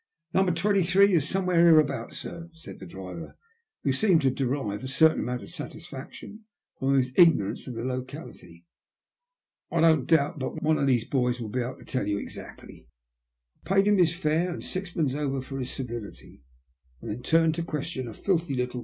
Number 28 is somewhere hereabouts, sir," said the driver, who seemed to derive a certain amount of satisfaction from his ignorance of the locality. I don't doubt but what one of these boys will be able to tell you exactly." I paid him his fare and sixpence over for his civility, and then turned to question a filthy little